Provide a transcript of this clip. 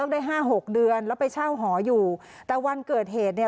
ได้ห้าหกเดือนแล้วไปเช่าหออยู่แต่วันเกิดเหตุเนี่ย